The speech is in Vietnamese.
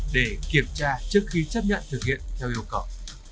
để kiểm tra trước khi chấp nhận thực hiện theo yêu cầu